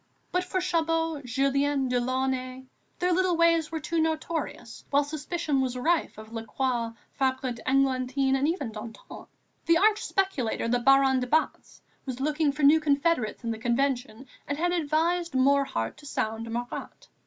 But for Chabot, Julien, Delaunay, their little ways were too notorious, while suspicions were rife of Lacroix, Fabre d'Églantine, and even Danton. The arch speculator, the Baron de Batz, was looking for new confederates in the Convention and had advised Morhardt to sound Marat.